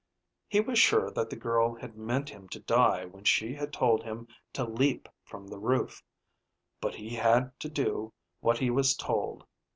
He was sure that the girl had meant him to die when she had told him to leap from the roof. But he had to do what he was told.